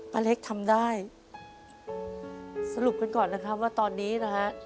เล็กทำได้สรุปกันก่อนนะครับว่าตอนนี้นะฮะ